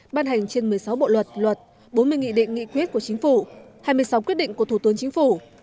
ban hành trên một mươi sáu bộ luật luật bốn mươi nghị định nghị quyết của chính phủ hai mươi sáu quyết định của thủ tướng chính phủ